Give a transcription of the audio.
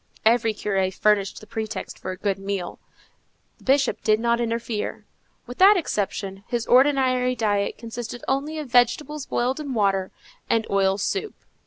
Every curé furnished the pretext for a good meal: the Bishop did not interfere. With that exception, his ordinary diet consisted only of vegetables boiled in water, and oil soup.